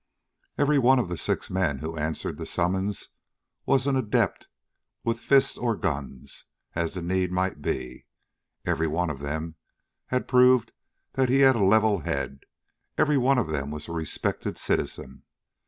Every one of the six men who answered the summons was an adept with fist or guns, as the need might be; every one of them had proved that he had a level head; every one of them was a respected citizen.